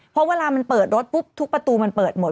เพราะเวลามันเปิดรถปุ๊บทุกประตูมันเปิดหมด